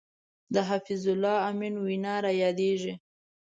د حفیظ الله امین وینا را یادېږي.